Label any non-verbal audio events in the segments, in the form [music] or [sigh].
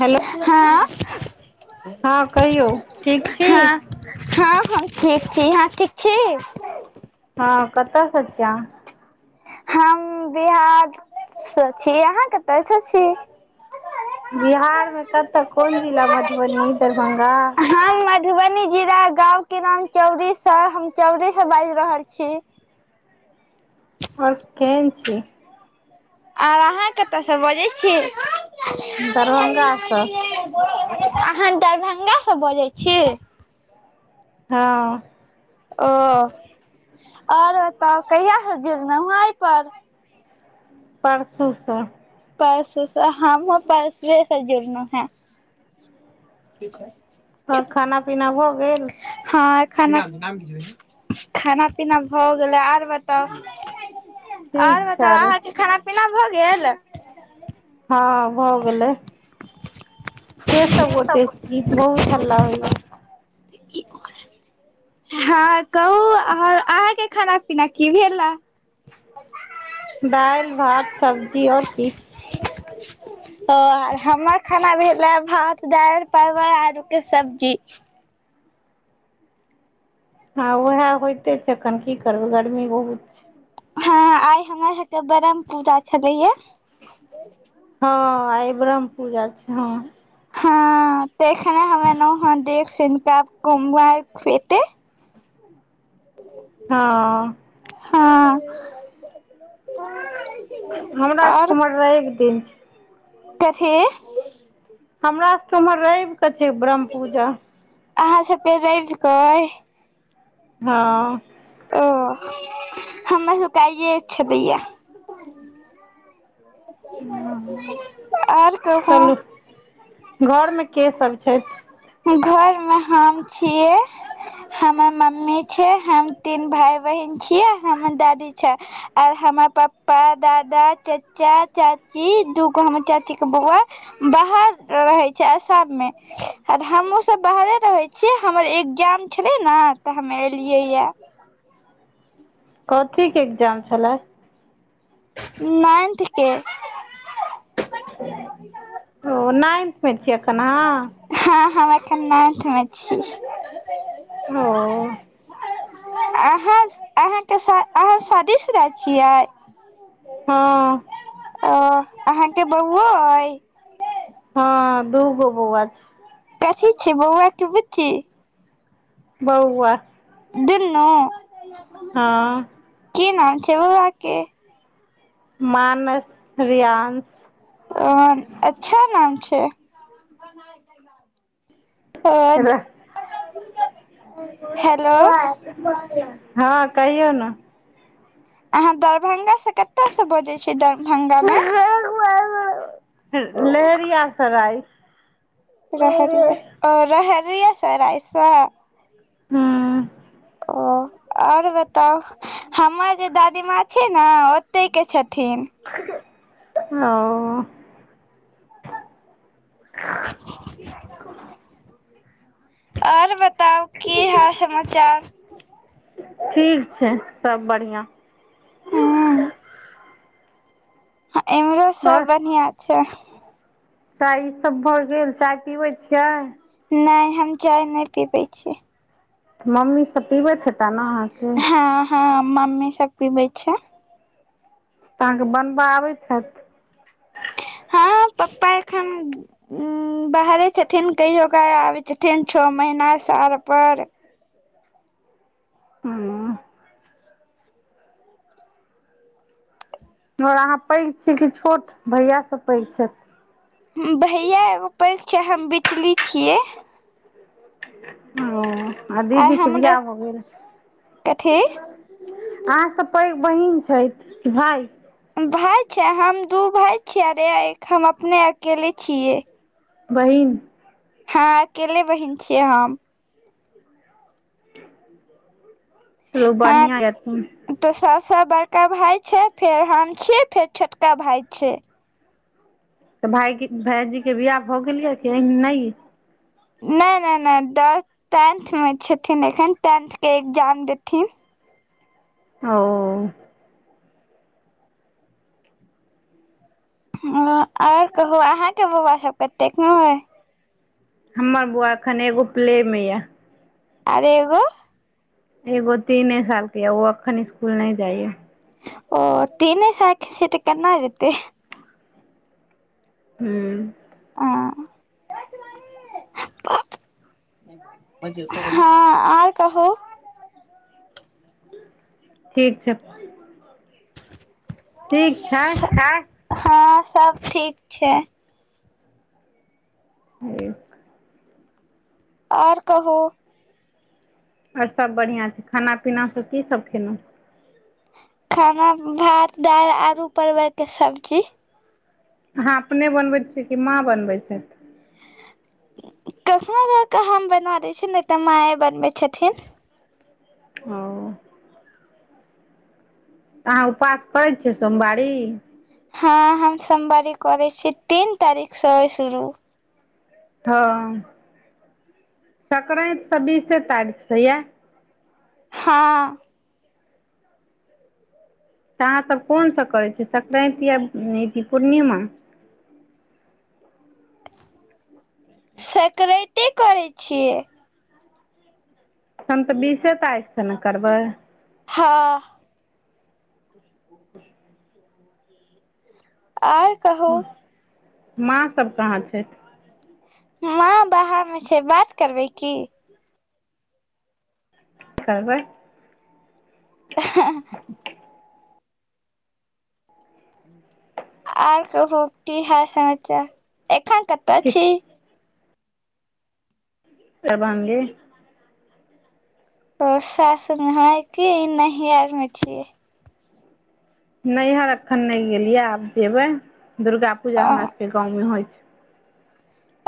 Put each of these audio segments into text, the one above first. Hello हँ। हँ कहियौ ठीक छी हँ। हँ-हम ठीक छी। अहां ठीक छी? हँ कतऽसँ छिअहाँ? हम बिहार स छी। अहाँ कत्तसँ छी। बिहारमे कत्तऽ? कोन जिला? मधुबनी, दरभङ्ंगा हम मधुबनी जिला गाँव के नाम चौरीस। हम चौरीसँ बाइज रहल छी। और केह्न छी? आर अहाँ कतऽसँ बजै छी? दरभंगा स- अहाँ दरभङ्गासँ बजै छी? हँ। ओ, आरो तऽ कहिया स जुरलौ हं अइ पर? परसू स। परसू स, हमहुँ परसुए स जुड़लौं हैं। के छाइ? अऽ खाना पीना भऽ गेल? हँ, खाना, कि नाम छौ? नाम कि छलैयैऽ? खाना पीना भऽ गेलै, आर बताऊ? ठीक आर छै बताउ? अहाँके खाना पीना भऽ गेल? हँ भऽ गेलै, के सब गोटे छी? इ बहुत हल्ला होइयाऽ। कि कऽ [inaudible] हँ, कहू अहा-अहाँके खाना पीना की भेलाऽ? दाइल, भात, सब्जी, और की? और हमर खाना भेलैऽ भात, दाइल, परवर आलू के सब्जी। हँ, उहैऽ होइते छै एखन, की करबै? गर्मी बहुत छै हँ, आइ हमर हेतऽ बरम पुजा छलैयैऽ। हँ, आइ ब्रह्म पूजा छै, हँ। हँ तऽ एखने हम ऐनौं हैं देख सुइन क, आब कुमांइ खुऐतै। हँ। हँ। हमरा सब के आओर उम्हर रैब दिन छै। कथी? हमरा स उम्हर रैब कऽ छै बरहम पूजा। अहाँ सबके रैब क अई? हँ। ओ, हमर सबके आइये छलैयैऽ। ह्म्म, आर कहू चलू, घर में के सब छैथ? घर में हम छीयै। हमर मम्मी छै, हम तीन भाय बहिन छियै, हमन दादी छाइ। और हमां पप्पा, दादा, चच्चा चाची, दूगो हमर चाची के बौआ बाहर रहे छै, असाम में। आ हमहुँ सब बाहरे रहे छियै, हमर एग्जाम छलै न तऽ हम एलियै यैऽ। कथी के एग्जाम छल्ला? नाइन्थ के। ओ नाइन्थ में छियै एखन अहाँ? हँ-हँ अखन नाइन्थ में छी। ओ। अहाँ-अहाँ के शा-अहाँ शादीशुदा छियै? हँ। अऽ, अहाँके बौवो अइ? हँ, दू गो बौवा छ कथी छै बौवा कि बुच्ची? बौवा। दुनू? हँ। की नाम छै बौवा के? मानस, रियानस। ओ, अच्छा नाम छै। रह हेलो हँ कहियौ न। अहाँ दरभंगा स कत स बजै छियै। दरभंगा मे? लेहेरियासराइ। रहरिए ओ रहरियासराय। हु ओ आर बताउ? हमर जे दादीमा छै न, ओतै के छथिन। ओ और ब ताव की हाल समाचार? ठीक छै। सब बढ़िआँ। इम्हरो आओर सब बढ़िया छै। चाय ई सब भऽ गेल। चाय पिबै छियै? नै, हम चाय नै पीबै छि। मम्मीसभ पिबैत हेता न अहाँके? ह - ह मम्मी सब पीबै छै। अहाँके बनबऽ आबैत हेत? हँ पप्पा एखन उ बाहरे छथिन कहियो क आबै छथिन छ महीना साल पर। [unintelligible] [unintelligible] और अहाँ पैघ छी कि छोट, भैया सब पैघ छैथ? भैया एगो पैघ छै, हम बिचली छियै। ओ, आ दीदीके बियाह भ गेल? कथी अहाँ स पैघ बहिन छै, कि भाय? भाय छै, हम दू भाय छीये, अरे एक हम अपने अकेली छियै। बहिन। हाँ अकेले बहिन छीयै हम। चालू बढ़िया ये। तो सबस बड़का भाय छै, फेर हम छी, फेर छोटका भाय छै। तऽ भाय भाइजी के बियाह भऽ गेल ये कि नहि? नै - नै - नै ट, टेंथ मे छथिन एखन टेंथ के एग्जाम देथिन। ओ ह आर कहु अहाँके बौआ सब कतेक में अय? हमर बौआ एखन एगो प्लेमे। आर एगो? एगो तीने साल के ये ओ अखन स्कूल नै जाइये। ओ तीने साल के छै त केना जेतै। हूँ आ हँ और कहू? ठीक छै। ठीक छयै। हैए हँ सोब ठीक छै। ह ए। और कहू। आओर सब बढ़ियाँ छै खाना पीना कीसब खेलउ। खाना भात दाइ आलु परवलकते सब्जी। अहाँ अपने बनबैत छि कि माँ बनबैत छैथ। कखनो काल क हम बना दै छि नय त माऐ बनबै छथिन। ओ। अहाँ उपास करै छि सोमवारी। हँ हम सोमवारी कोरै छी तीन तारीक स अय शुरू। हँ, सक्रइत सँ बीसे तारीकसँ या। हाँ। त अहाँसब कोन सब कोरै छि सक्रइत आ [unintelligible] पूर्णिमा। सकराइते कोरै छियै। तन त बीसे तारिकसँ ना करबै। हाँ। ओर,, ह माँ सब कहाँ छैथ। माँ बाहर मे छै बात करबै की। करबैय। ऐ ह आर कहु कि हाल समाचार एखन कतअ की छी। दरभंगे। ओ सासुर में कि नहियर मे छी। नैहियर एखन नय गेलियै आब जेबै दुर्गा पूजा हमरा सभके गाँवमे होय छै।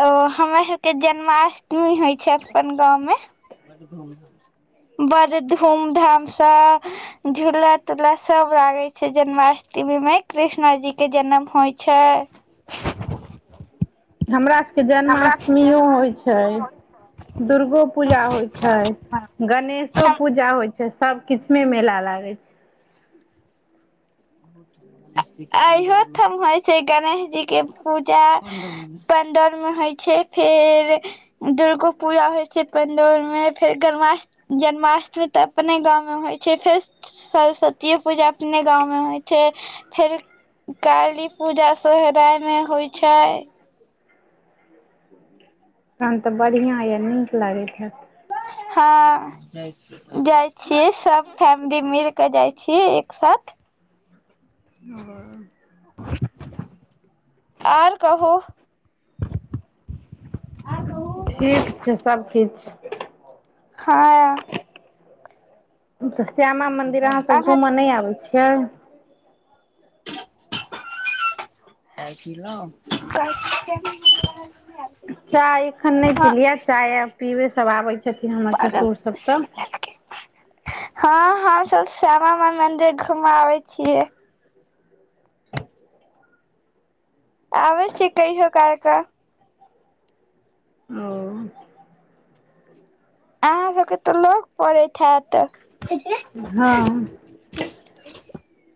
ओ हमरा सबके जन्माष्टमी होइ छै अपन गाँवमे, बड़ धूम धामसँ, झूला तूला सब लागे छै जन्माष्टमी में कृष्णा जी के जनम होय छै। हमरा सबके जन्माष्टमीयै होय छै। दुर्गो पूजा होय छै। गणेशो पूजा होय छै सब किछ मे मेला लागे छै। अहियो ठम होय छै गणेश जी के पूजा, पंडौर मे होइ छै फेर, दुर्गो पूजा होय छै पडौल में फेर गरमाष्, जन्माष्टमी त अपने गाँवं में होइ छै फेर सरस्वतीे पूजा अपने गाँवं मे, छै फेरो काली पूजा सै ओदाय मे होइ छयै। तहन त बढ़ियाँ यए नीक लागैत हैत। हँ। जाइ छीयै सब फैमिली मिल क जाइ छीयै एक साथ। हम्म। ओर कहूं। ठीक छै सब ठीक छै। हँ। श्यामा मंदिर अहाँ सब घूमो नय आबै छियै। [unintelligible] चाय एख्खन नय हँ पिलयै, चाय आब पीबै सब आबै छथिन हमर पागल ससुरसब तऽ हँ -हमसब श्यामा माइ मंदिर घूमाबै छियै। आबै छी कहिओ काल कऽ। ओ। अहाँ सबके तऽ लऽग पड़ैत हैत। हँ,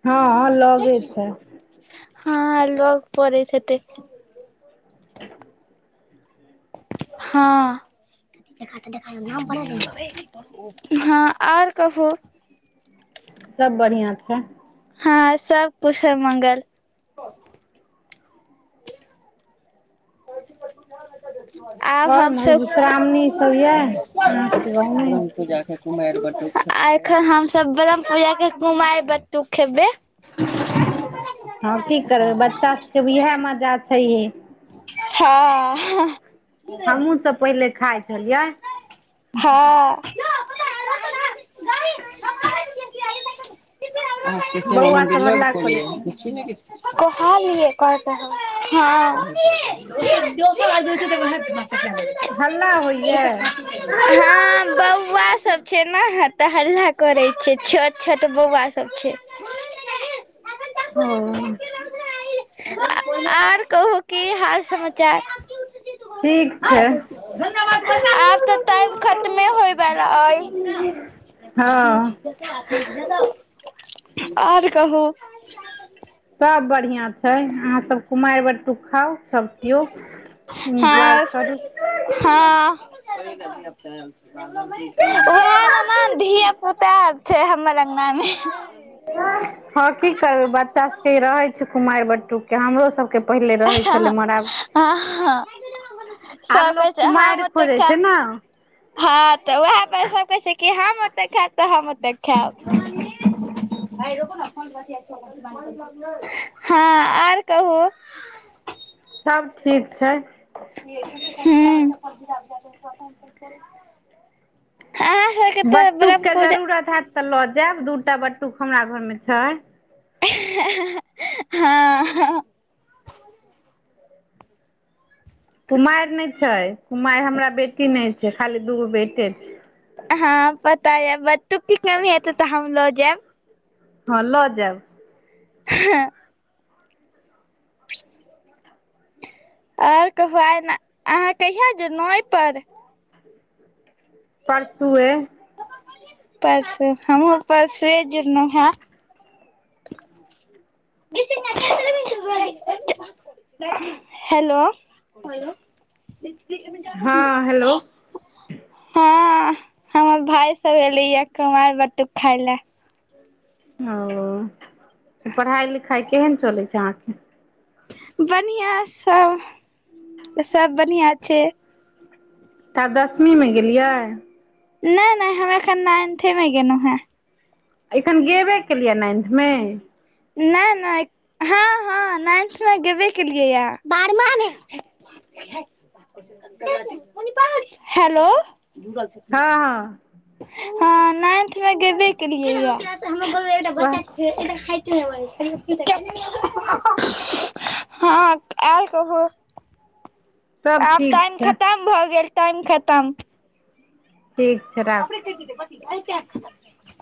हँ -लगे छै। हँ, लग पडैत हेतय। हँ। ह आर कहु। सब बढ़ियां छै। हां सब कुशल मंगल। आब आओर हमसब- [unintelligible] मधुश्रावणी सब यऽ अहाँके गाँवमे आ एख्खन हमसब ब्रह्म पूजा के कुमैर ब-टुक खेबै। [unintelligible] हम की करबै। बच्चा सभके भी इहै मजा छैहे। हँ हमहुूँ सब पहिले खाइ छलियै। हँ। [inaudible] अहां सब के श्यामा बौआ मन्दिर सब लग हल्ला करै पडैयैऽ। देखि ने गे कहलियै। कहलकै हं। हं। हल्ला होइये हँऽबौआ सब छै। न हतऽ हल्ला करय छै। छोटछोट बौआसब छै। ओ [unintelligible] आर-आर कहू कि हाल समाचार? ठीक छै। आब तऽ टाइम खतमे होइ बला अय। हँ [unintelligible] और कहू? सब बढ़िआं छै। अहाँ सब कुमाइर‌ बटटूक खाउ। सभ कियौ एन्जॉय करू। उहै लय मन करू धिया- पुता। छै हम्मर अंगना मे। हँ की करबै, बच्चा सबके ई रहै छै कुमाइर बटूकके। हमरो सब के पहिले रहै छलै, मर्आब हँ आब सब कहै लोक छै हम कुमाइर ओते खोजै छै खायब ने। हँ तऽ उहै पर सब कहै छै कि हम ओत्त खैब तऽ हम ओत्त खैब। हँ आर कहू। [unintelligible] सब ठीक छै। हुं बट्टूकके पूजा जरूरत हैत तऽ लऽ जैब दू टा बट्टुक हमरा घरमे छय। हँ कुमैइर नय छै कुमाइर हमरा बेटी नय छै खाली दूग्गो बेटे छै। हँ पता यैऽ। बट्टुक के कमी हेतय तऽ हम लऽ जैऽब। हं ल जैब। हँ [inaudible] आओर कहुं आय न अहाँ कहिया जुड़नऊ अय पर परसूए परसु हमहुँ परसुए जुड़नऊ हैं। हेलो [unintelligible] हँ हेलो हँ हमर भाय सब एलै यए कुमारि बटुक खाय लए। ओ पढ़ाइ, लिखाइ केहेन चलै छै अहाँके बढ़ियां सऽ, सब बढ़ियां छै। त आब दसमीमे गेलियै। नहि-नहि हम एखन नाइन्थे में गेलहुँ हैं। एखन गेबे केलियै नाइन्थमे। नहि-नहि हँ-हँ नाइन्थ मे गेबे केलियै यऽ। बारमां में [unintelligible] हैलो। हँ हँ हं नाइन्थ मे गेबे केलियै यैं। वाह हँ और कहुं सब आब ठीक टाइम छै खत्तम भऽ गेल, टाइम खत्तम। ठीक छै रा [unintelligible]